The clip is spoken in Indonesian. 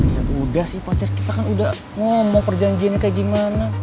ya udah sih pacar kita kan udah ngomong perjanjiannya kayak gimana